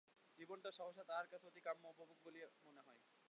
জীবনটা সহসা তাহার কাছে অতি কাম্য উপভোগ্য বলিয়া মনে হয়।